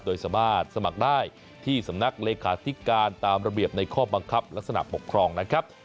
โดยสามารถสมัครได้ที่สำนักเลขาธิการตามระเบียบในข้อบังคับลักษณะปกครองนะครับ